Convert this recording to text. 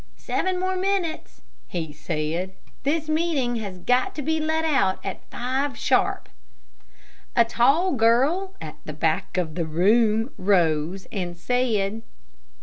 "Seven more minutes," he said; "this meeting has got to be let out at five sharp." A tall girl at the back of the room rose, and said.